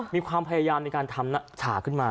มีความพยายามในการทำฉากขึ้นมา